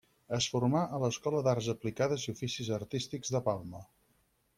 Es formà a l'escola d'Arts Aplicades i Oficis Artístics de Palma.